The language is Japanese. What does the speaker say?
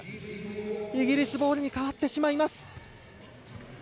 イギリスボールに変わってしまいます。